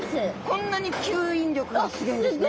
こんなに吸引力がすギョいんですね。